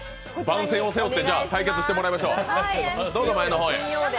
番宣を背負って対決してもらいましょう。